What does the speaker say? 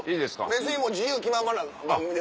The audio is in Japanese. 別に自由気ままな番組ですから。